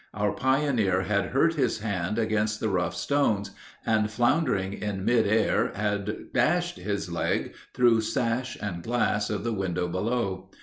Our pioneer had hurt his hand against the rough stones, and, floundering in mid air, had dashed his leg through sash and glass of the window below.